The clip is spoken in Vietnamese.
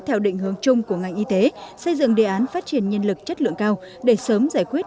theo định hướng chung của ngành y tế xây dựng đề án phát triển nhân lực chất lượng cao để sớm giải quyết